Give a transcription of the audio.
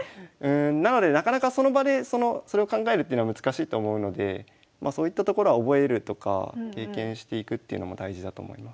なのでなかなかその場でそれを考えるっていうのは難しいと思うのでそういったところは覚えるとか経験していくっていうのも大事だと思います。